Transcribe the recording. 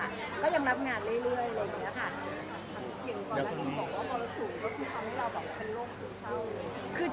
อย่างก่อนนั้นคุณบอกว่ามรสุรก็คือทำให้เราเป็นโรคศิลป์เศร้า